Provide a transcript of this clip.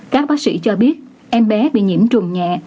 các bác sĩ cho biết em bé bị nhiễm trùng nhẹ